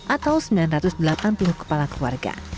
atau sembilan ratus delapan puluh kepala keluarga